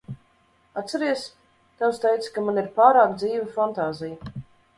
Atceries, tēvs teica, ka man ir pārāk dzīva fantāzija?